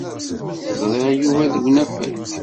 Ẓriɣ Yuba deg unafag.